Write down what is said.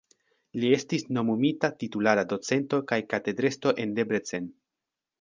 Li estis nomumita titulara docento kaj katedrestro en Debrecen.